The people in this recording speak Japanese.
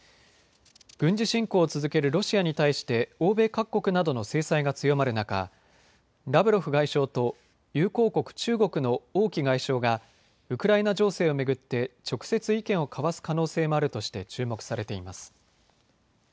軍事侵攻を続けるロシアに対して欧米各国などの制裁が強まる中、ラブロフ外相と友好国、中国の王毅外相がウクライナ情勢を巡って直接意見を交わす可能性もあるとして注目されています。